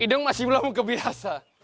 idung masih belum kebiasa